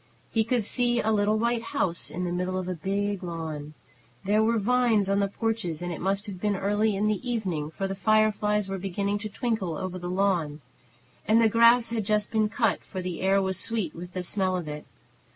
He could see a little white house in the middle of a big lawn. There were vines on the porches, and it must have been early in the evening, for the fireflies were beginning to twinkle over the lawn. And the grass had just been cut, for the air was sweet with the smell of it.